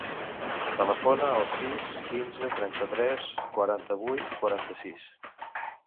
Telefona al sis, quinze, trenta-tres, quaranta-vuit, quaranta-sis.